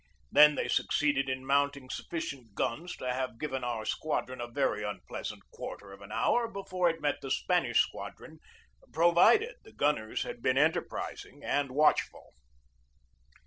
Then they succeeded in mounting sufficient guns to have given our squadron a very unpleasant quarter of an hour before it met the Spanish squad ron, provided the gunners had been enterprising and watchful.